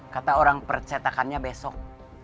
kata orang percetakannya besok